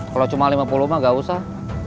kalau cuma lima puluh mah gak usah